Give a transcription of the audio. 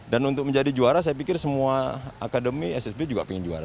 dan untuk menjadi juara saya pikir semua akademi ssb juga pengen juara